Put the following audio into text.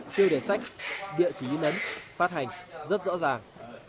tiêu đề sách địa chỉ nấn phát hành rất rõ ràng